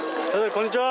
こんにちは